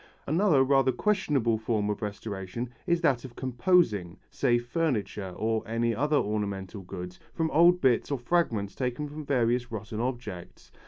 Another rather questionable form of restoration is that of composing, say furniture or any other ornamental goods, from old bits or fragments taken from various rotten objects.